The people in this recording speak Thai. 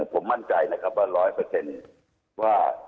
ผมมั่นใจนะครับว่า๑๐๐ว่า